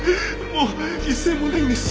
もう一銭もないんです。